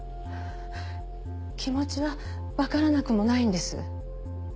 気持ちはわからなくもないんです。